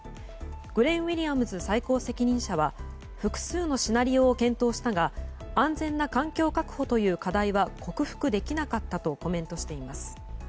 グレン・ウィリアムズ最高責任者は複数のシナリオを検討したが安全な環境確保という課題は克服できなかったとコメントしています。